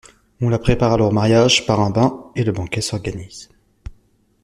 On la prépare alors au mariage par un bain et le banquet s'organise.